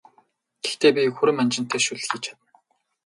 Гэхдээ би хүрэн манжинтай шөл хийж чадна!